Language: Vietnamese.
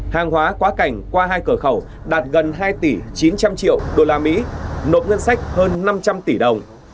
hàng hóa quá cảnh qua hai cửa khẩu đạt gần hai tỷ chín trăm linh triệu đô la mỹ nộp ngân sách hơn năm trăm linh tỷ đồng